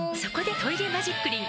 「トイレマジックリン」